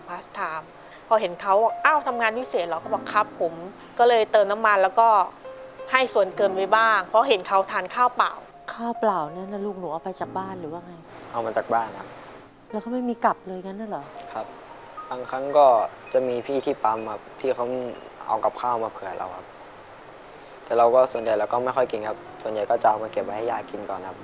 พอเราจอดเอ๊ะนี่เด็กที่เราใกล้สอนนี่